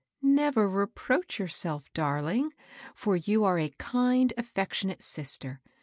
" Never reproach yourself, darling, for you are a kind, affectionate sister.